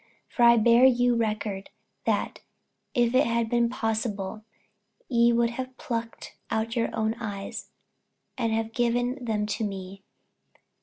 for I bear you record, that, if it had been possible, ye would have plucked out your own eyes, and have given them to me.